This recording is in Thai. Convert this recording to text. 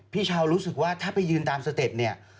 พี่เช้ารู้สึกว่าถ้าไปยืนตามสเต็ปเนี่ย